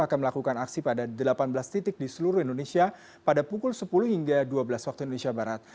akan melakukan aksi pada delapan belas titik di seluruh indonesia pada pukul sepuluh hingga dua belas waktu indonesia barat